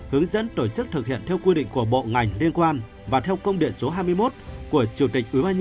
hướng dẫn tổ chức thực hiện theo quy định của bộ ngành liên quan và theo công điện số hai mươi một của chủ tịch ubnd